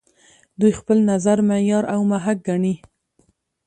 دوی خپل نظر معیار او محک ګڼي.